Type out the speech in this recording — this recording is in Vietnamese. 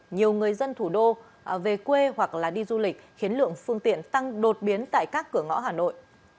nhiều người dân thủ đô về quê hoặc đi du lịch khiến lượng phương tiện tăng đột biến tại các cửa ngõ hà nội